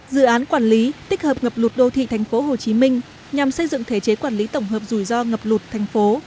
dự án quản lý tích hợp ngập lụt đô thị thành phố hồ chí minh nhằm xây dựng thể chế quản lý tổng hợp rủi ro ngập lụt thành phố